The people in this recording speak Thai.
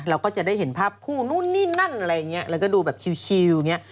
เราก็จะได้เห็นภาพคู่นู่นนี่นั่นอะไรอย่างนี้แล้วก็ดูแบบชิลอย่างนี้